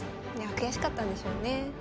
悔しかったんでしょうね。